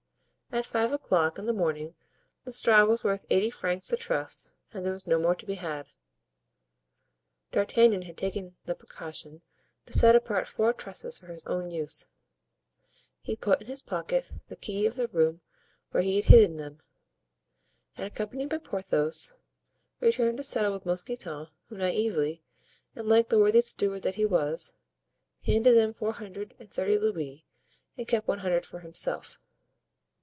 At five o'clock in the morning the straw was worth eighty francs a truss and there was no more to be had. D'Artagnan had taken the precaution to set apart four trusses for his own use. He put in his pocket the key of the room where he had hidden them, and accompanied by Porthos returned to settle with Mousqueton, who, naively, and like the worthy steward that he was, handed them four hundred and thirty louis and kept one hundred for himself.